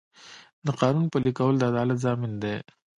د قانون پلي کول د عدالت ضامن دی.